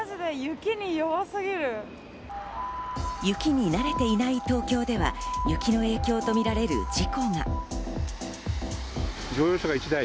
雪に慣れていない東京では雪の影響とみられる事故が。